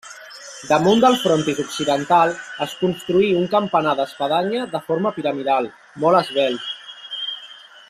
Damunt del frontis occidental es construí un campanar d'espadanya de forma piramidal, molt esvelt.